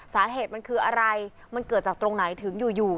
สาเหตุมันคืออะไรมันเกิดจากตรงไหนถึงอยู่อยู่